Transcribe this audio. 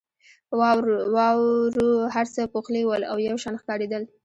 واورو هر څه پوښلي ول او یو شان ښکارېدل.